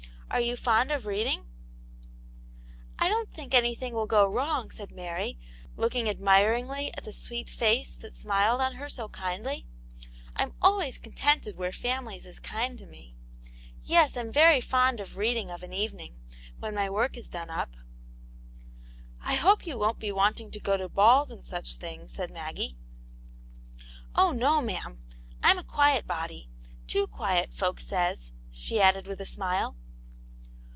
Are you fond of reading }"" I don't think anything will go wrong," said Mary, looking admiringly at the sweet face that smiled on her so kindly. " Fm always contented where families is kind to me. Yes, Fm very fond of reading of an evening, when my work is done up." '^ I hope you won't be wanting to go to balls and such things/' said Maggie. Aunt Janets Hero. lOS "Oh, no, ma'am. Tm a quiet body; too quiet, folks says," she added, with a smile.